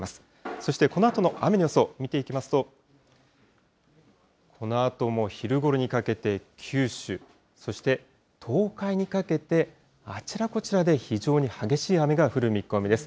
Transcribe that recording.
そしてこのあとの雨の予想を見ていきますと、このあとも昼ごろにかけて九州、そして東海にかけて、あちらこちらで非常に激しい雨が降る見込みです。